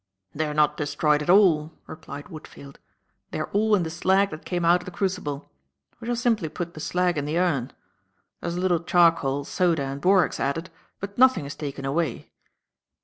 "They are not destroyed at all," replied Woodfield. "They are all in the slag that came out of the crucible. We shall simply put the slag in the urn. There is a little charcoal, soda and borax added, but nothing is taken away."